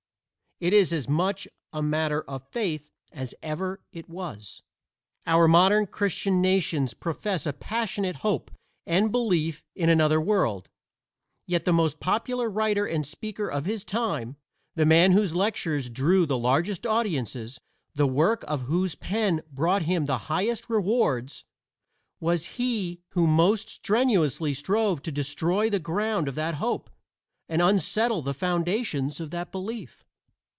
It is as much a matter of faith as ever it was. Our modern Christian nations profess a passionate hope and belief in another world, yet the most popular writer and speaker of his time, the man whose lectures drew the largest audiences, the work of whose pen brought him the highest rewards, was he who most strenuously strove to destroy the ground of that hope and unsettle the foundations of that belief.